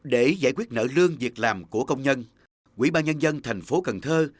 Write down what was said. để giải quyết nợ lương việc làm của công nhân quỹ ba nhân dân thành phố cần thơ